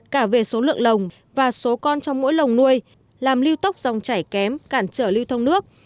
cả về số lượng lồng và số con trong mỗi lồng nuôi làm lưu tốc dòng chảy kém cản trở lưu thông nước